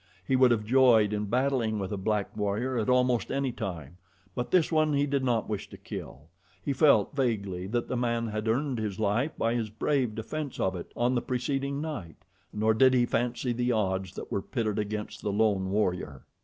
He would have joyed in battling with a black warrior at almost any time; but this one he did not wish to kill he felt, vaguely, that the man had earned his life by his brave defense of it on the preceding night, nor did he fancy the odds that were pitted against the lone warrior.